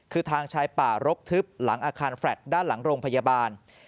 คือทางชายป่ารกทึบหลังอาคารแฟลต์ด้านหลังโรงพยาบาล